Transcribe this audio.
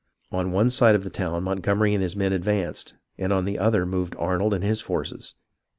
On one side of the town Montgomery and his men advanced, and on the other moved Arnold and his forces.